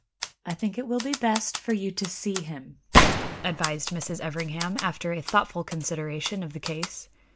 "I think it will be best for you to see him," advised Mrs. Everingham, after a thoughtful consideration of the case.